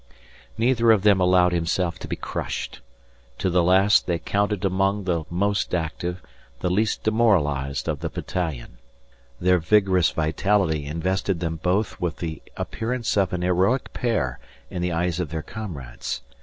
Neither of them allowed himself to be crushed. To the last they counted among the most active, the least demoralised of the battalion; their vigorous vitality invested them both with the appearance of an heroic pair in the eyes of their comrades.